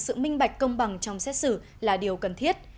sự minh bạch công bằng trong xét xử là điều cần thiết